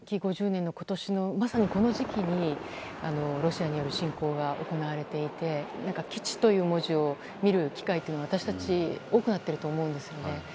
５０年の今年のこの時期にロシアによる侵攻が行われていて基地という文字を見る機会が私たち多くなっていると思うんですよね。